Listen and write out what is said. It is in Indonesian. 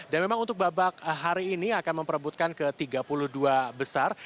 dan memang untuk babak hari ini akan memperebutkan ke tiga puluh dua besar